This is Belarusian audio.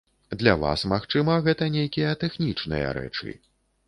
Для вас, магчыма, гэта нейкія тэхнічныя рэчы.